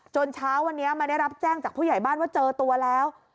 เช้าวันนี้มาได้รับแจ้งจากผู้ใหญ่บ้านว่าเจอตัวแล้ว